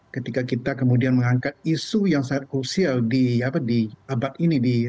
ketika kita kemudian mengangkat isu yang sangat krusial di abad ini